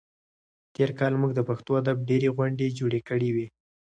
تېر کال موږ د پښتو ادب ډېرې غونډې جوړې کړې وې.